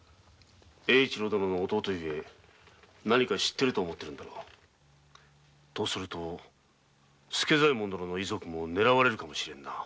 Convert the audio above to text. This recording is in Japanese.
英一郎殿の弟ゆえ何か知っていると思ってるんだろう。とすると助左衛門殿の遺族も狙われるかもしれぬな。